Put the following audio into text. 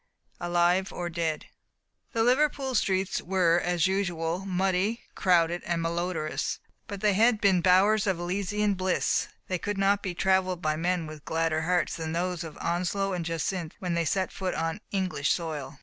"alive or dead." The Liverpool streets were, as usual, muddy, crowded, and malodorous; but had they been bowers of Elysian bliss they could not be trav ersed by men with gladder hearts than those of Onslow and Jacynth when they set foot on Eng lish soil.